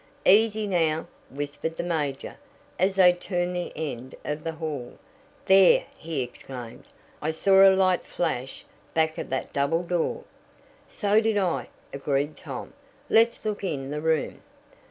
"Easy, now!" whispered the major as they turned the end of the hall "There!" he exclaimed. "I saw a light flash back of that double door!" "So did I," agreed Tom, "Let's look in the room."